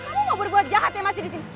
kamu mau berbuat jahat ya masih di sini